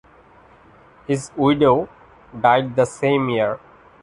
His widow died the same year.